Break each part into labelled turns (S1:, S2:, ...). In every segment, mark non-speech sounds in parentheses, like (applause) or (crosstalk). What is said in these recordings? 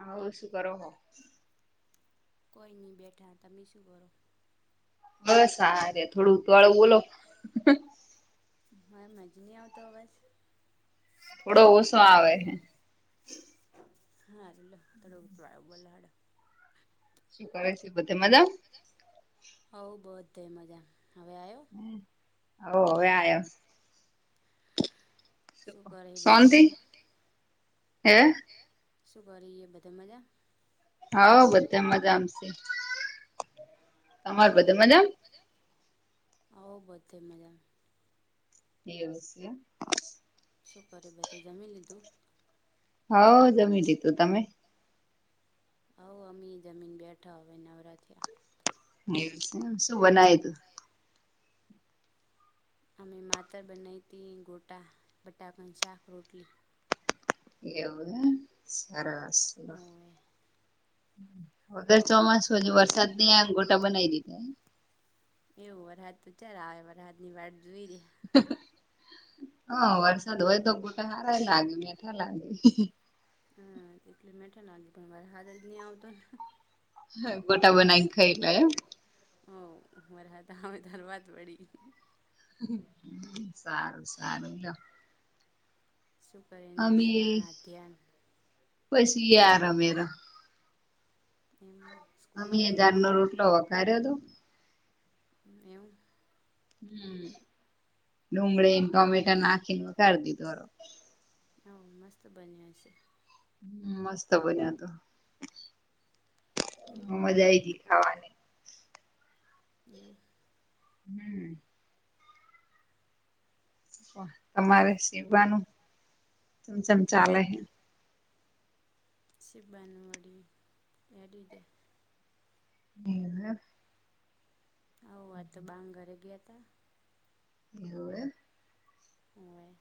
S1: આવુ શું કરો હો
S2: કોઈ નહીં બેઠા તમે શું કરો
S1: હવે સાર થોડું ઉતવાળું બોલો
S2: હા માથી નહી આવતો અવાજ
S1: થોડો ઓછો આવે છે.
S2: હારુ લો થોડ (unintelligible) બોલો હૈડો
S1: શું કરે છે બધે મજામ-
S2: હઉ બધધે મજા હવે આવ્યો.
S1: હ ઓ હવે આયો. શાંતિ હે.
S2: શું કરહી એ બધા મજા મ
S1: હાઔ બધા મજા મશે
S2: હ હ હ ઓ બધે મજામ
S1: એવું છે.
S2: શું કર્યું બધે જમી લીધું.
S1: હવ જમી લીધું તમે.
S2: હવ અમે જમીન બેઠા હવે નવરા થયા.
S1: શું બનાયુ તું.
S2: હમે માતર બનાવી હતી ગોટા, બટાકાની શાક રોટલી
S1: એવુ હ સરશ લો વગર ચોમાસું હજુ ય વરસાદ ની આયા ને ગોટા બનાવી દીધા.
S2: એવું વરહાદ તો ચાર આવે વરહદ ની વાત જોઈ રે
S1: હા વરસાદ હોય તો ગોટા હારા લાગે મેઠા લાગે.
S2: હમ એટલે મેઠા લાગી પણ વરહાદ જ નહી આવતો.
S1: હા બોટા બનાવીને ખાઈલા એમ.
S2: હરા હતામે ધનવાદ પડી
S1: સારું સારું લ
S2: સુપરે નિષ્ઠાનાધ્યયન એમ સ્કૂલ જઈન આવયા
S1: કરે
S2: એવુ
S1: હમ ડુંગળીને ટમેટા નાખીને કા દીધો
S2: હ મસ્ત બન્યા છે
S1: હ મસ્ત બન્યો તો મજા આઈ તી ખાવાની
S2: એમ
S1: હમ તમારે સીવાનું તેમમ જેમ ચાલે છે
S2: શિબાનવાડી એડે
S1: એ
S2: હ આ તો બાના ઘરે ગયા તા
S1: એવુવે
S2: હોવે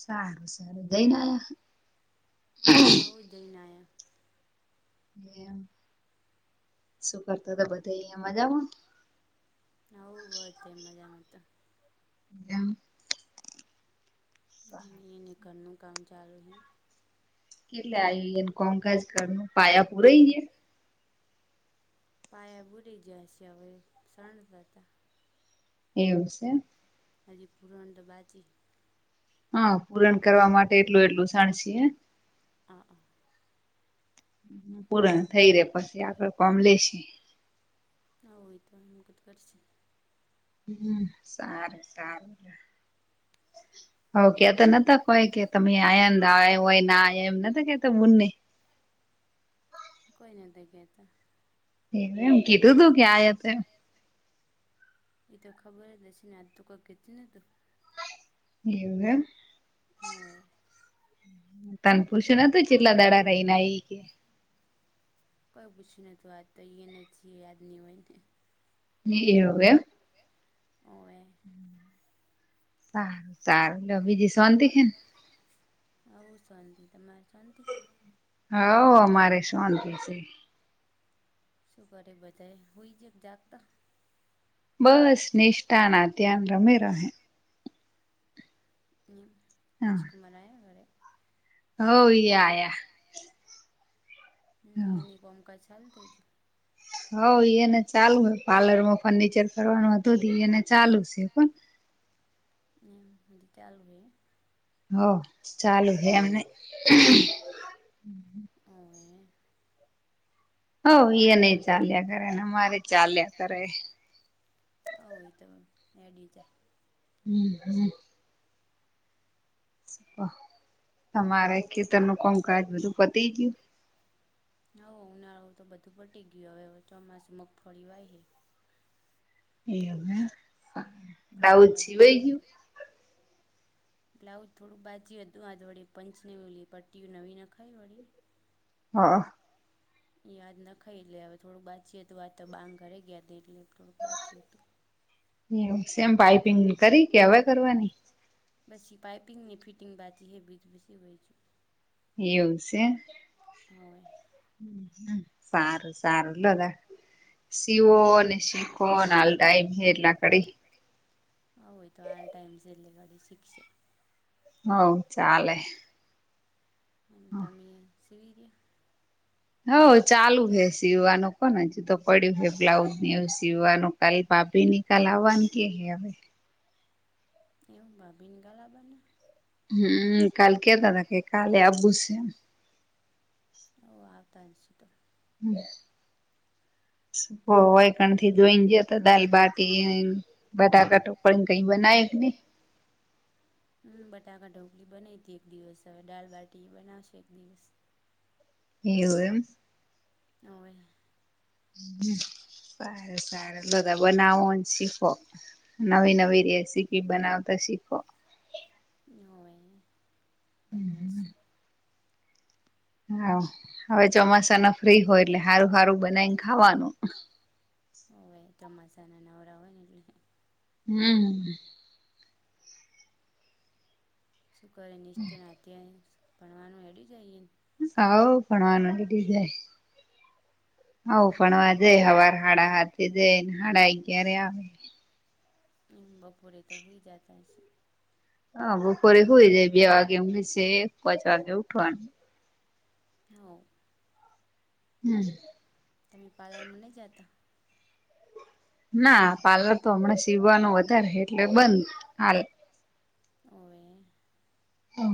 S1: સારું સારું જઈન આયા
S2: હ જય ના આયા
S1: એમ શું કરતો હતો બધાઅયા મજામાં
S2: હવ બધા તે મજા મા
S1: હ
S2: એને ઘરનું કામ ચાલુ હ
S1: કેટલે આવીને કોંકાજ ઘ ન પાયા પુરાઈ જ
S2: પાયા પૂરી જયા છે હવે ચણતા હતા
S1: એવું છે
S2: હજ પૂરણ તો બાકી
S1: હા પૂરણ કરવા માટે એટલું એટલું ચણસે
S2: હ હા
S1: પૂરાણ થઈ રે પછી આગળ કામ લેશે
S2: હ હોય તો એમ મુમકૂત કરશે
S1: હમ સાર સારું હ કે ન કય કે તમે આયાંદ આવ હોય ના આ એમ નથી કે તો બુને
S2: કોઈ નહી કેતા
S1: એ એમ કીધું તું ક્યાંય
S2: એ તો ખબર હ દસીને ત ક કેતીને તો
S1: એવું
S2: હ
S1: તન પુછયુ નતુ ચેટલા દાડા રહીને આઈ
S2: કોઈ પૂછયુ નતુ આત તો ય નજીીએ યાદન
S1: હ એવ ગ
S2: હોવે એ
S1: હા
S2: હું શાંતિ તમારે શાંતિ
S1: હવ અમારે શાંતી છે.
S2: શું કરે બધા સૂય ગયા કે જાગતા.
S1: બસ નિષ્ઠા ના ધ્યાન રમે ર.
S2: એ રાજકુમાર આ ઘરે.
S1: હો.
S2: હ એને કામકાજ ચાલુ થઇ ગયુ
S1: હઉ એને ચાલુ હ પાર્લર માં ફર્નિચર કરવાનું હત એ એને ચાલુ છે.
S2: હમ્મ હમ્મ કાલ હોયે.
S1: હો ચાલુ હેમને.
S2: હ એ.
S1: હ એ નહી ચાલ્યા કરેને અમારે ચાલ્યા કરે.
S2: આ હોય તો એડી જાય
S1: હમ્મ હમ્મ તમારે ખેતર નું કોમ કજ બધું પતી ગયું.
S2: હ ઉનાળું તો બધું પટી ગયું હવે ચોમાસું મગફળી વાય હ.
S1: એ લઉ જી વૈ ગયું.
S2: બ્લાઉઝ થોડું બાજી્યું હતું આથોળી પંચ નેલી પટ્ટી નવી નખાય વળી.
S1: હા.
S2: હા. યાદ નાખાય એટલે હવે થોડુંક બાચી હતું વા તો બાંગ ઘરે ગયા હતી એટલે થોડુંક બાચી હતું.
S1: એ સ એમ પાઈપિંગ કરી કે હવે કરવાની.
S2: પછી પાઇપિંગની ફિટિંગ બાજી હ બીજ બસી હોય છું.
S1: એવું છે.
S2: હોય.
S1: હ સારું સારૂ લ નો સીવો ને શીખો હાલ ટાઈમ હ એટલા કરી.
S2: હ હોય તો આલ ટાઈમ્સ એલ્ ગડી શિક્ક્ષ.
S1: હ ચાલે.
S2: હમ્મ તમય સીવી રહ્યા.
S1: હવ ચાલુ હે સીવાનું કોને જ તો પડ્યું હે બ્લાઉઝ ને એવું સીવવાનું. કાલ ભાભી નિકાલ આવવાની કે હ હવે.
S2: એવું ભાભીને ગાલા બને.
S1: હમ કાલ કેતા હતા કે કાલે આવુ શે.
S2: હવ આવતા નિશુતા.
S1: હમ. હો હોય કણ થી જોઈને જ તો દાલ બાટી ને બટાકા ટોક કઈ બનાયુ ક નહી.
S2: હમ બટાકા ઢોકળી બનાવી હતી એક દિવસ હવે દાળબાટી બનાવશે એક દિવસ.
S1: એવ એમ.
S2: હોવે.
S1: સાર સાર બધા બનાવોને શીખો. નવી નવી રેસીપી બનાવતા શીખો.
S2: નોએ
S1: હમ હ. હા હવે ચોમાસા ના ફ્રી હોય એટલે સારું સારું બનાવીને ખાવાનું.
S2: ઓવે ચોમાસા ના નવરા હોય ને એટલે.
S1: હમ.
S2: શું કરે નિશ્ચયના અત્યારે ભણવાનું હેડી જાઈએ
S1: આવ ભણવાનું હેડિ જાય. હવ ભણવા જાય હવાર હાડા હાથે જાય ને હાડા અગિયારે આવે.
S2: બપોરે તો હુઈ જતા હશે.
S1: હા, બપોરે હુઈ જાય બે વાગે ઉઘસે પોચ વાગે ઉઠવાનું.
S2: હવ.
S1: હમ્મ.
S2: તમે પાર્લરમાં નઈ જાતા.
S1: ના પાર્લર તો હમણાં સીવવાનું વધારે એટલે બંધ હાલ.
S2: હોવે.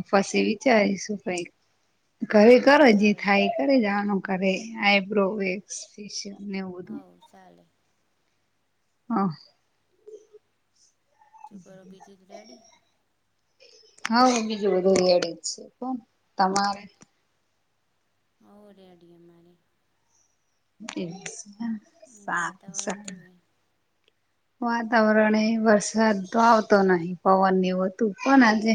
S1: હ પસી વીચારીશું કઈક. ઘરે કરો જે થાય એ કરે જવાનું રે આઈબ્રો વેક્સ ટી શર્ટ ને એવું બધું
S2: ચાલે.
S1: હ અ.
S2: શું કરો બીજું તો રેડી.
S1: હવ હ બીજુ બધું રેડી જ છે તમારે
S2: હો રેડી એ અમારે.
S1: એ (unintelligible) (unintelligible)
S2: ઈમ વાતાવરણ ચેવુ હૈ.
S1: વાતાવરણ એ વરસાદ તો આવતો નહી પવન એવું હતું પણ આજે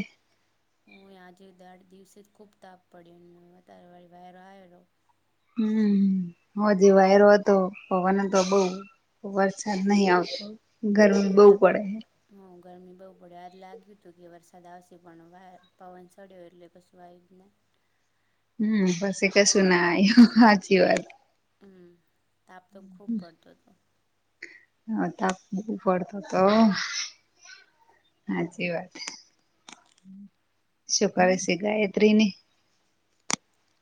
S2: હુય આજે દોઢ દિવસે જ ખુબ તાપ પડ્યો અતારે વા વાયરો આએરો
S1: હમ્મ હ જે વાયરો હતો પવન હત તો બહુ વરસાદ નહીં આવતો ગરમી બહુ પડે હે.
S2: હું ગરમી બહુ પડે આજ લાગ્યું તું કે વરસાદ આવશે પણ પવન ચડ્યો એટલે કશું આયું જ ના.
S1: હમ્મ પસી કશું ના આંયુ હાચી વાત.
S2: હમ્મ તાપ તો ખુબ પડતો તો.
S1: હા તાપ બઉ પડતો તો. સાચી વાત શું કર છે ગાયત્રી ઈની.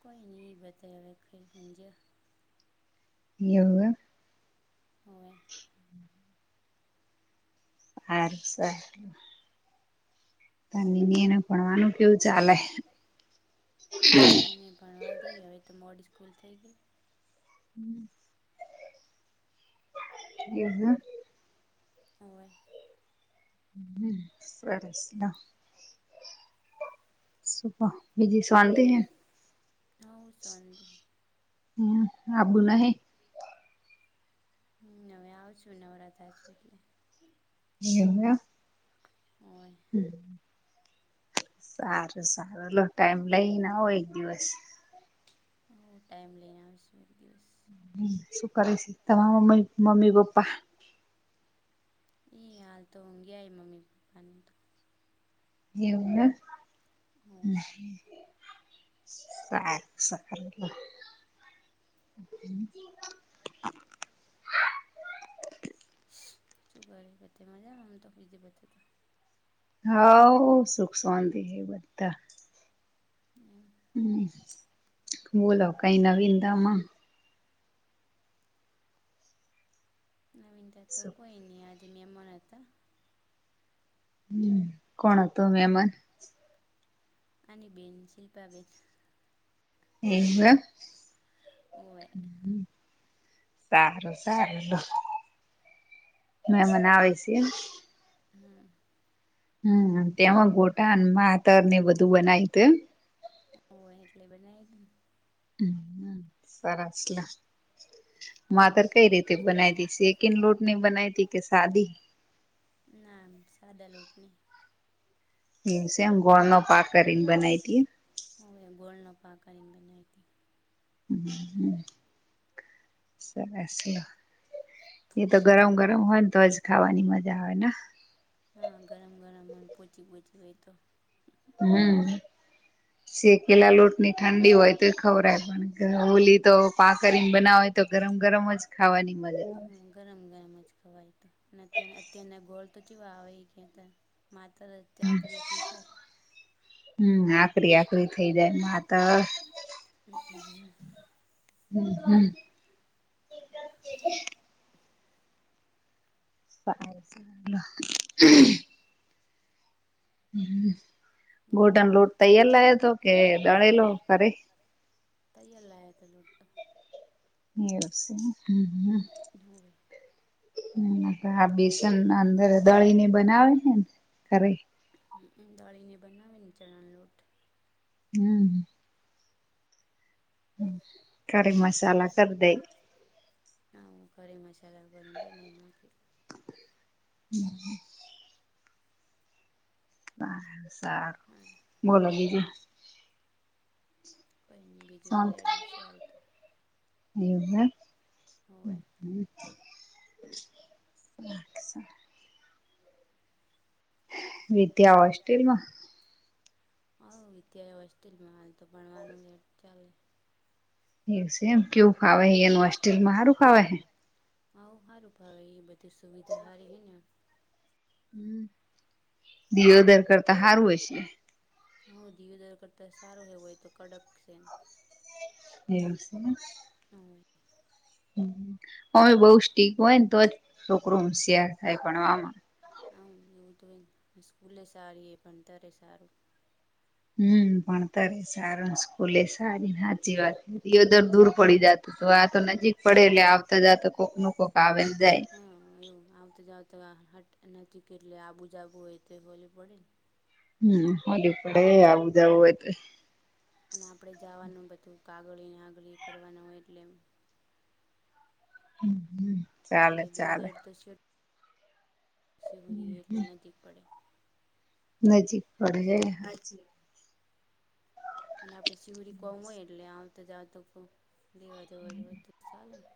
S2: કોઈ નહી એ બધાએ હવે ખઈ પૂંજ્યા
S1: એવું એમ
S2: હોવે.
S1: હા સાચી (unintelligible) વાત. ત ને એને ભણવાનું કેવું ચાલે?
S2: હ એને ભણવા દઈ હવે તો મોડી સ્કૂલ થઈ ગઈ.
S1: (inaudible) (inaudible) એવું એમ.
S2: હોવે.
S1: હમ્મ સરસ. સુ કો બીજી શાંતી હે.
S2: હવ શોનતી.
S1: હમ્મ આબુ નહિ.
S2: હમ્મ હવે આવજુ નવરા થાજુ એટલે.
S1: એવુ એમ. (inaudible)
S2: હોય.
S1: સારું સારું લો ટાઈમ લઈ ન આવો એક દિવસ.
S2: હું ટાઈમ લઈને આવીશ એક દિવસ.
S1: હ શું કરે છે તમા મમઇ મમ્મી પપ્પા.
S2: એ હાલ તો ઉઘયા મમ્મી પપ્પા ને તો.
S1: એવું એમ. સારુ સરો બાય.
S2: શું કરે બધા મજા આમ તો બીજે બધે તો
S1: હોવ સુખ શોનતિ હે બધા. હ બોલો કઈ નવીનતામાં?
S2: નવીનતા તો કોઈ નહી આજે મેહેમાન હતા.
S1: કોણ હતો મેહેમાન?
S2: આની બેેન શિલ્પાબેન.
S1: એવુ સે સારું સારું એ મેમાન આવે છે એમ?
S2: હમ્મ.
S1: હમ્મ તેમાં ગોટા અનમા આતર ને એ બધું બનાયુતુ એમ?
S2: હોએ, એટલે બનાયલેન.
S1: હમ્મ, સરસ લે. માતર કઈ રીતે બનાઈતી, શેકીન લોટ ની બનાઈતી કે સાદી?
S2: ના ન સાદા લોટની.
S1: એ સેમ ગોળ નો પાક કરીન બનાઈ તી
S2: હોવે ગોળ નો પાક કરીન બનયતી.
S1: હ હ, સરસ લો. ઈ તો ગરમ ગરમ હોયન તો જ ખાવાની મજા આવે ને?
S2: હા ગરમ ગરમ હોયન પોચી પોચી હોય તો.
S1: હમ્મ. શેકેલા લોટ ની ઠંડી હોય તો ખવરાય પણ કે ઓલી તો પાકરીન બનાવે તો ગરમ ગરમ જ ખાવાની મજા આવે.
S2: ગરમ ગરમ જ ખવાય ઈ તો. ને અત્યાર અત્યારના ગોળ તો ચેવા આવે ઈ માતરજ તે આકરી આકરી થાય.
S1: હમ્મ, આકરી આકરી થઈ જાય માતર.
S2: હમ્મ.
S1: હમ્મ હમ્મ. (unintelligible) હમ્મ, ઘોટાનો લોટ તૈયાર લાયો તો કે દળેલો ધરે?
S2: તૈયાર લાયાતા લોટ તો.
S1: ની અસેન હમ્મ હમ્મ, હમ્મ. આ બેસન અંદર દળી ને બનાવે છેન, ધરે?
S2: હઅ દળીને બનાવેને ચણાનો લોટ?
S1: હમ્મ. હમ્મ, કરી મસાલા કર દે.
S2: ના હુ ધરે મસાાલ કરીન બનાઈ ને આપીસ.
S1: હમ્મ. આ હા સારું.
S2: હલ
S1: બોલો બીજુ?
S2: કઈ નઈ ભીજુડી રેડી શેલ તો.
S1: એવુ એમ? હમ્મ હમ્મ. બડ સે વિદ્યા હોસ્ટેલ માં?
S2: હાવ વિદ્યાએ હોસ્ટેલમાં હાલ તો ભણવાનું એડ ચાલે.
S1: એવ સે એમ કેવું ફાવે એનું હોસ્ટેલમાં, સારું ફાવે હે?
S2: હવ હારું ફાવે, ઈ બધી સુવિધા હારી હે ને.
S1: હમ્મ, દિયોદર કરતા હારું હશે?
S2: હવ દીયોદર કરતા સારુ હે હેવોય તો કડક છે એમ.
S1: એવું સે એમ?
S2: હવે.
S1: હમ્મ ઓમે બઉ સ્ટીક હોય ને તો જ છોકરું હોશયાર થાય ભણવામાં.
S2: આવ એવું જ હોયન, ને સ્કૂલે સારી એ ભણતર એ સારું.
S1: હમ્મ ભણતરે સારુંન સ્કૂલે સારી ન હાચી વાત દિયોદર દૂર પડી જાતું તો આતો નજીક પડે એટલે આવતા જતો કોક નું કોક આવે ન જાય.
S2: હા એવું આવતા જાવ ત આહટ એના થી કેટલે આબુજબુ હોય તો હોલીું પડેન.
S1: હમ્મ હોલી પડે આવું જવું હોય તો.
S2: અને આપણે જવાનું બધું કાગળી એ આગળી કરવાનું હોય એટલે, (unintelligible) દ ઇડર (inaudible) તો છે સિવરી એટલે નજીક પડે.
S1: નજીક પડે એ હાજી.
S2: અને આપડે સિવડી કોમ હોય એટલે આવ તો જાવ તો લેવા જવા જવાય તો ચાલે ને?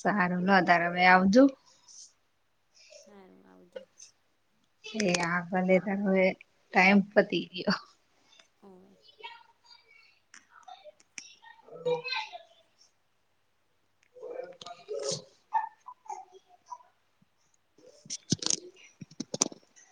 S1: સારું લો તારે અવે આવજો.
S2: હારુ આવજો,
S1: એ આ ભલે તો હવે ટાઈમ પતી ગયો.
S2: ઓવે
S1: હ (inaudible) (inaudible)